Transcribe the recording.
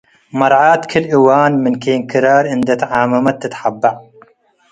"” መርዓት ክል-እዋን ምን ኬን ክራር እንዴ ተዓመመት ትትሐበዕ ።